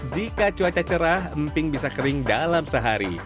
jika cuaca cerah emping bisa kering dalam sehari